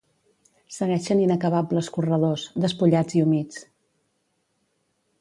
Segueixen inacabables corredors, despullats i humits.